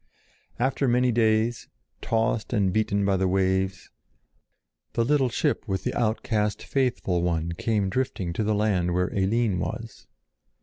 After many days, tossed and beaten by the waves, the little ship with the outcast faithful one came drifting to the land where Eline was.